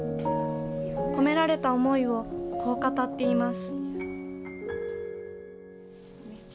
褒められた思いをこう語っています。